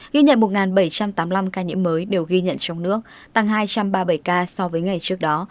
ghi nhận một bảy trăm tám mươi năm ca nhiễm mới đều ghi nhận trong nước tăng hai trăm ba mươi bảy ca so với ngày trước đó